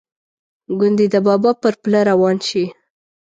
ګوندې د بابا پر پله روان شي.